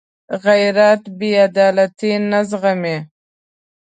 غیرت بېعدالتي نه زغمي